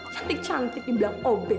cantik cantik dibilang obet